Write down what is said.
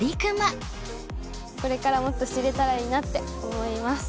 これからもっと知りたいなって思います。